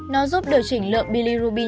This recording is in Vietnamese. nó giúp điều chỉnh lượng bilirubin